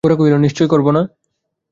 গোরা কহিল, নিশ্চয় করব না।